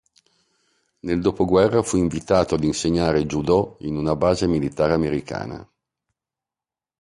Nel dopoguerra fu invitato ad insegnare Judo in una base militare americana.